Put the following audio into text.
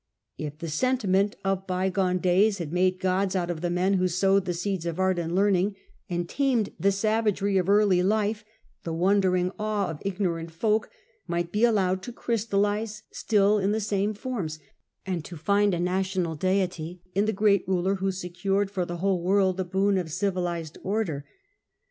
If the sentiment of bygone days had made gods out of the men who sowed the seeds of art and learning and tamed the savagery of early life, the wondering awe of ignorant folk might be allowed to crystallize still in the same forms, and to find a national deity in the great ruler who secured for the whole world the boon of civilised or der.